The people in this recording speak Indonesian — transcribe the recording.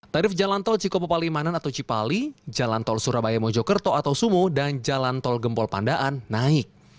tarif jalan tol cikopo palimanan atau cipali jalan tol surabaya mojokerto atau sumo dan jalan tol gempol pandaan naik